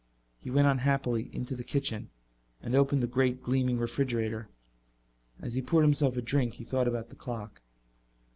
He went unhappily into the kitchen and opened the great gleaming refrigerator. As he poured himself a drink he thought about the clock.